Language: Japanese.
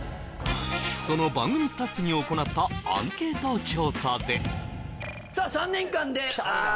その番組スタッフに行ったアンケート調査でさあ３年間でああ